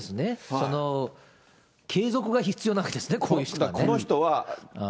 その継続が必要なわけですね、こういう人はね。